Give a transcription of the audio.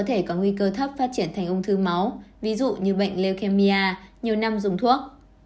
có thể có nguy cơ thấp phát triển thành ung thư máu ví dụ như bệnh leo khemia nhiều năm dùng thuốc